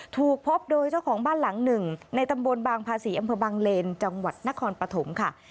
ถูกพบโดยเจ้าของบ้านหลังหนึ่งในตำบลบางภาษีอำเภอบางเลนจังหวัดนครปฐมค่ะ